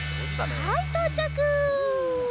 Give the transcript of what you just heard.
はいとうちゃく！